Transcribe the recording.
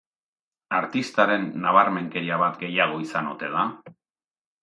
Artistaren nabarmenkeria bat gehiago izan ote da?